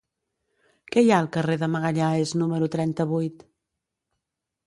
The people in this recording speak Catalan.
Què hi ha al carrer de Magalhães número trenta-vuit?